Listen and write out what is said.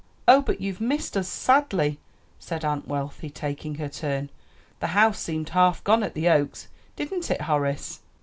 "Oh, but you've missed us sadly!" said Aunt Wealthy, taking her turn; "the house seemed half gone at the Oaks. Didn't it, Horace?"